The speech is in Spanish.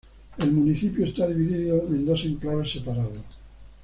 El municipio está dividido en dos enclaves separados.